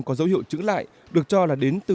có dấu hiệu chữ lại được cho là đến từ